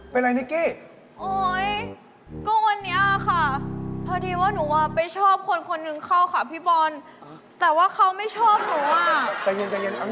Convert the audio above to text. เป็นไรเขาดูดิทำไมเขาไม่ชอบหนูอ้าว